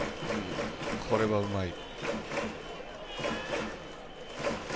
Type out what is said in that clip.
これはうまい。